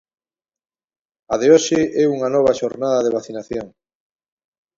A de hoxe é unha nova xornada de vacinación.